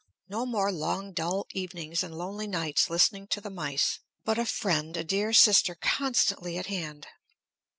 No more long, dull evenings and lonely nights listening to the mice. But a friend, a dear sister, constantly at hand!